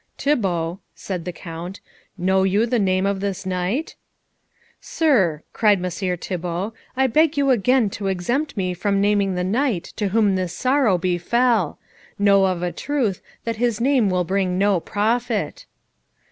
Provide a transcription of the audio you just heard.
"Thibault," said the Count, "know you the name of this knight?" "Sir," cried Messire Thibault, "I beg you again to exempt me from naming the knight to whom this sorrow befell. Know of a truth that his name will bring no profit."